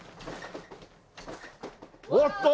おっと！